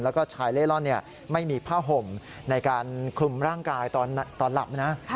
แล้วก็ชายเล่ร่อนไม่มีผ้าห่มในการคลุมร่างกายตอนหลับนะ